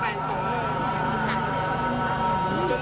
เข้ามาช่วยปรักฏุงบ้างมารู้สัมบุญบ้าง